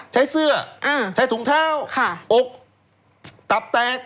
ใช้เสื้อใช้ถุงเท้าอกตับแตก